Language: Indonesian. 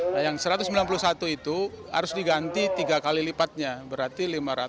nah yang satu ratus sembilan puluh satu itu harus diganti tiga kali lipatnya berarti lima ratus